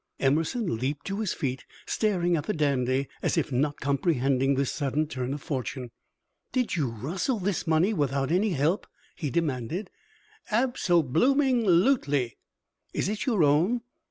Emerson leaped to his feet, staring at the dandy as if not comprehending this sudden turn of fortune. "Did you rustle this money without any help?" he demanded. "Abso blooming lutely!" "Is it your own?"